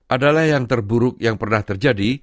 adalah yang terburuk yang pernah terjadi